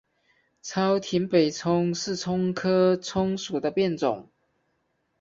糙葶北葱是葱科葱属的变种。